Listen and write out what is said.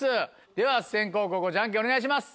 では先攻後攻ジャンケンお願いします。